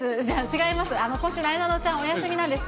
違います。